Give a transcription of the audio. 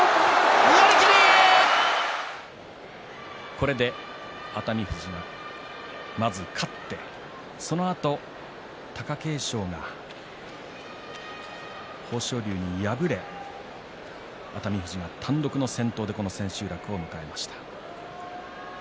これで熱海富士がまず勝って、そのあと貴景勝が豊昇龍に敗れ熱海富士は単独の先頭でこの千秋楽を迎えました。